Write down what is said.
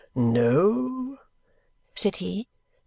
"No," said he.